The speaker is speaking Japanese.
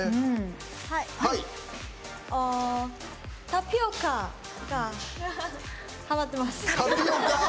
タピオカがハマってます。